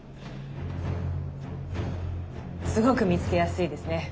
すごく見つけやすいですね。